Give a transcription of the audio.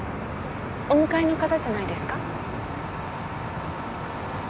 お迎えの方じゃないですか？